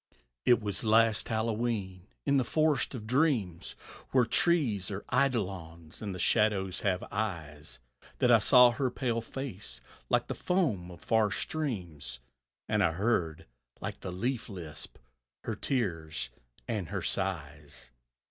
It was last Hallowe'en in the forest of dreams, Where trees are eidolons and shadows have eyes, That I saw her pale face like the foam of far streams, And heard, like the leaf lisp, her tears and her sighs.